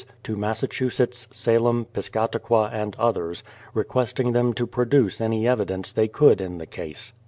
: to Massachusetts, Salem, Piscataqua, and others, requesting them to produce any evidence they could in the case.